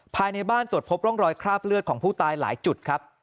ภายในบ้านตรวจพบร่องรอยคราบเลือดของผู้ตายหลายจุดครับ